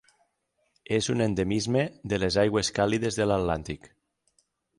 És un endemisme de les aigües càlides de l'Atlàntic.